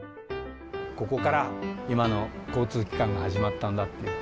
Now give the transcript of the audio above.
ここから今の交通機関が始まったんだっていう。